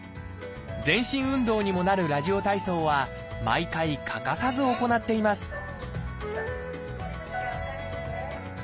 全身運動にもなるラジオ体操は毎回欠かさず行っています